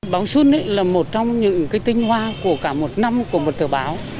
báo xuân là một trong những cái tinh hoa của cả một năm của một tờ báo